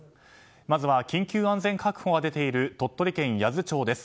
まずは緊急安全確保が出ている鳥取県八頭町です。